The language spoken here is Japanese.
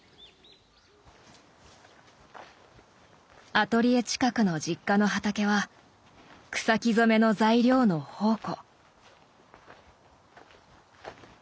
アトリエ近くの実家の畑は草木染めの材料の宝庫。